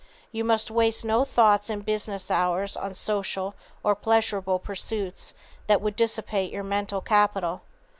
You must waste no thoughts in business hours on social or pleasurable pursuits that would dissipate your mental capital.